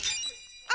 あ！